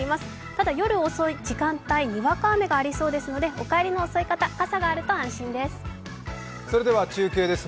ただ、夜遅い時間帯、にわか雨がありそうですのでお帰りの遅い方傘があると安心です。